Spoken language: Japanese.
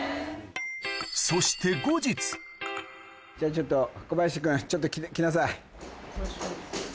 ・そしてじゃあちょっと小林君ちょっと来なさい。